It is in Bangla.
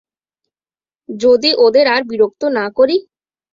যদি ওদের আর বিরক্ত না করি?